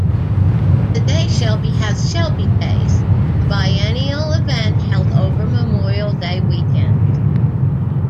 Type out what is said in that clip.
Today Shelby has "Shelby Days", a biennial event held over Memorial Day Weekend.